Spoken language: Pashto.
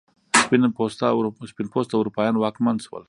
سپین پوسته اروپایان واکمن شول.